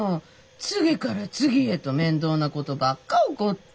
次から次へと面倒なことばっか起こって。